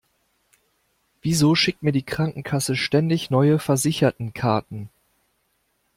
Wieso schickt mir die Krankenkasse ständig neue Versichertenkarten?